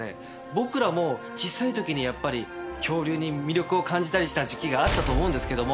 僕らも小さい時にやっぱり恐竜に魅力を感じたりした時期があったと思うんですけども。